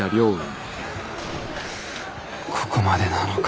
ここまでなのか？